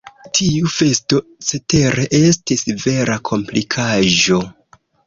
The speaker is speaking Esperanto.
Tiu festo cetere estis vera komplikaĵo.